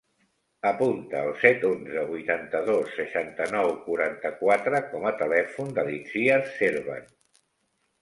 Apunta el set, onze, vuitanta-dos, seixanta-nou, quaranta-quatre com a telèfon de l'Itziar Serban.